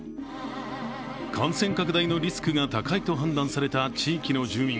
感染拡大のリスクが高いと判断された地域の住民